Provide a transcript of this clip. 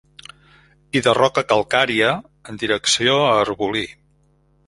I de roca calcària, en direcció a Arbolí.